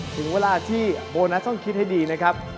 ถึงเวลาที่โบนัสต้องคิดให้ดีนะครับ